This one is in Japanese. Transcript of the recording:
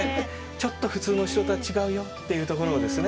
ちょっと普通の城とは違うよっていうところをですね